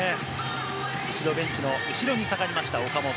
一度ベンチの後ろに下がりました、岡本。